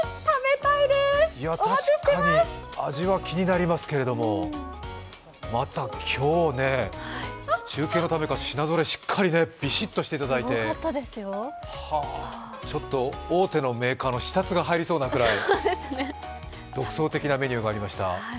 たしかに味は気になりますけど、また今日は中継のためか品ぞろえしっかりとビシッとしていただいてちょっと大手のメーカーの視察が入りそうなぐらい独創的なメニューがありました。